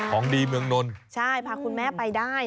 ของดีเมืองนนทบุรี